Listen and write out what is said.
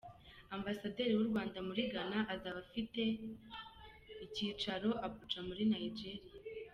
Ambasaderi w’u Rwanda muri Ghana azaba afite icyicaro Abuja muri Nigeria.